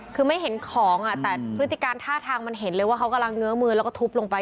คือไม่เห็นของแต่พฤติการท่าทางมันเห็นเลยว่าเขากำลังเงื้อมือแล้วก็ทุบลงไป